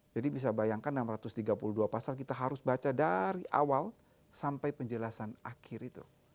jadi bisa bayangkan enam ratus tiga puluh dua pasal kita harus baca dari awal sampai penjelasan akhir itu